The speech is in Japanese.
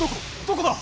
どこだ？